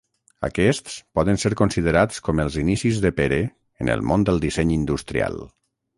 Aquests poden ser considerats com els inicis de Pere en el món del disseny industrial.